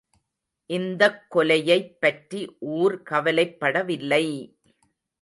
இந்தக் கொலையைப் பற்றி ஊர் கவலைப் படவில்லை!